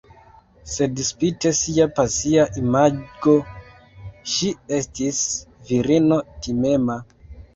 Sed spite sia pasia imago, ŝi estis virino timema.